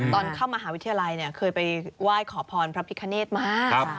ตอนเข้ามหาวิทยาลัยเคยไปไหว่ขอขอคฟร์พระพริษภณุเนสมา